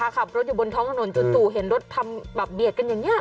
ขับรถอยู่บนท้องถนนจู่เห็นรถทำแบบเบียดกันอย่างนี้